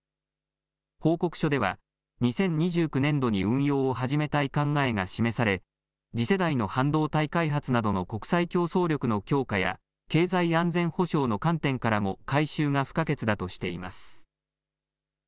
報告書では２０２９年度に運用を始めたい考えが示され次世代の半導体開発などの国際競争力の強化や経済安全保障の観点からも改修が不可欠だとしています。